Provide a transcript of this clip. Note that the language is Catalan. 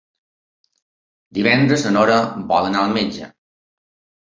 Divendres na Nora vol anar al metge.